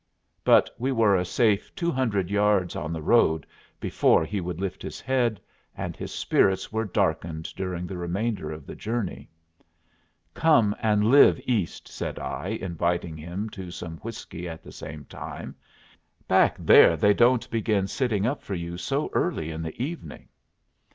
But we were a safe two hundred yards on the road before he would lift his head, and his spirits were darkened during the remainder of the journey. "Come and live East," said I, inviting him to some whiskey at the same time. "Back there they don't begin sitting up for you so early in the evening."